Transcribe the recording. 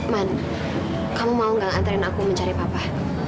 man kamu mau gak nganterin aku mencari papa